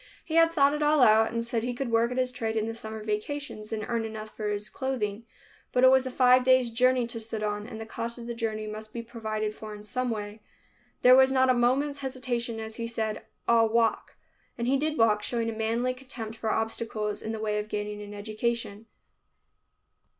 He had thought it all out and said he could work at his trade in the summer vacations and earn enough for his clothing. But it was a five days' journey to Sidon, and the cost of the journey must be provided for in some way. There was not a moment's hesitation as he said, "I'll walk." And he did walk, showing a manly contempt for obstacles in the way of gaining an education.